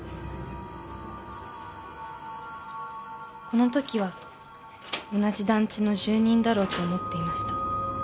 ［このときは同じ団地の住人だろうと思っていました］